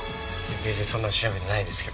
別にそんなの調べてないですけど。